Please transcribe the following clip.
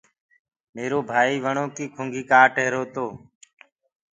ميرو ڀآئيٚ وڻو ڪي ڪُنگي ڪآٽ رهيرو تو۔